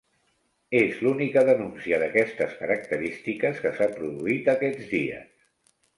És l'única denúncia d'aquestes característiques que s'ha produït aquests dies